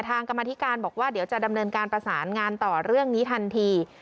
กรรมธิการบอกว่าเดี๋ยวจะดำเนินการประสานงานต่อเรื่องนี้ทันที